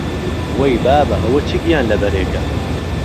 وەی بابە، ئەوە چ گیانلەبەرێکە!